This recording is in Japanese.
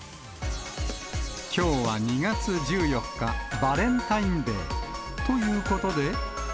きょうは２月１４日、バレンタインデー。ということで。